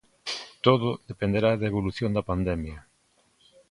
Todo dependerá da evolución da pandemia.